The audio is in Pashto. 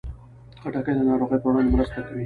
خټکی د ناروغیو پر وړاندې مرسته کوي.